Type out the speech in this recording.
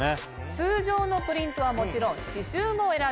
通常のプリントはもちろん刺繍も選べます。